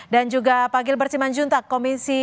dan juga panggil berciman juntak komisi